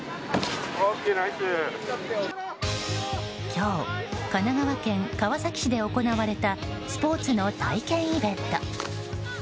今日、神奈川県川崎市で行われたスポーツの体験イベント。